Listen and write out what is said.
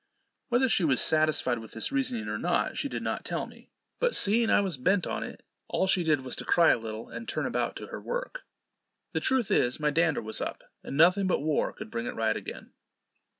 Whether she was satisfied with this reasoning or not, she did not tell me; but seeing I was bent on it, all she did was to cry a little, and turn about to her work. The truth is, my dander was up, and nothing but war could bring it right again.